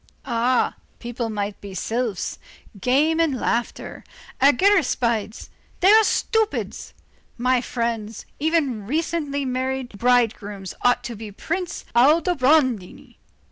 Ah! people might be sylphs. Games and Laughter, argiraspides; they are stupids. My friends, every recently made bridegroom ought to be Prince Aldobrandini.